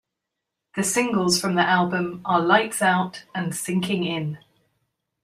The singles from the album are "Lights Out" and "Sinking In".